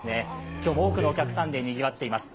今日も多くのお客さんでにぎわっています。